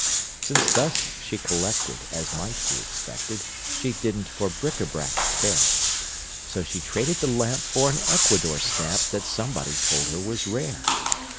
Since thus she collected, As might be expected, She didn't for bric à brac care, So she traded the lamp For an Ecuador stamp That somebody told her was rare!